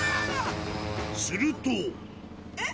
するとえっ！